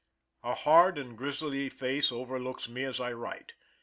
A hard and grizzly face overlooks me as I write.